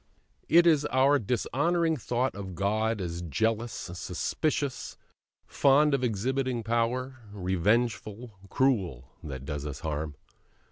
It is our dishonouring thought of God as jealous, suspicious, fond of exhibiting power, revengeful, cruel, that does us harm.